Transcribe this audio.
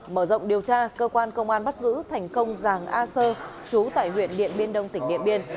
mở rộng điều tra cơ quan công an bắt giữ thành công giàng a sơ chú tại huyện điện biên đông tỉnh điện biên